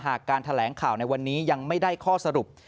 การแถลงข่าวในวันนี้ยังไม่ได้ข้อสรุป